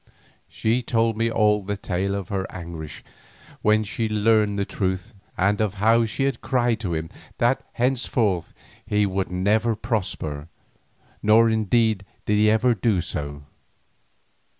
She told me all the tale of her anguish when she learned the truth, and of how she had cried to him that thenceforth he would never prosper. Nor indeed did he do so.